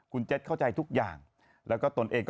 คุณเจ็ดเข้าใจทุกอย่าง